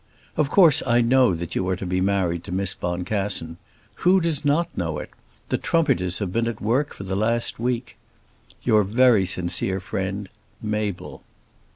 Of course I know that you are to be married to Miss Boncassen. Who does not know it? The trumpeters have been at work for the last week. Your very sincere friend, MABEL.